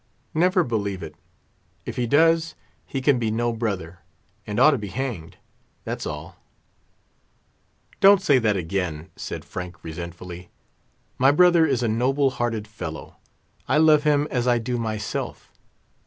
Never believe it. If he does, he can be no brother, and ought to be hanged—that's all!" "Don't say that again," said Frank, resentfully; "my brother is a noble hearted fellow; I love him as I do myself.